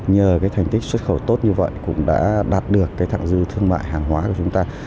nhờ cái thành tích xuất khẩu tốt như vậy cũng đã đạt được cái thẳng dư thương mại hàng hóa của chúng ta